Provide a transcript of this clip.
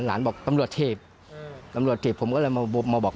บอกตำรวจถีบตำรวจถีบผมก็เลยมาบอก